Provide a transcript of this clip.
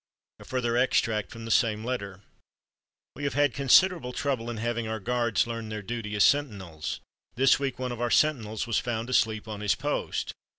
A further extract from the same letter: "We have had considerable trouble in having our guards learn their duty as sentinels. This week one of our sentinels was found asleep on his post.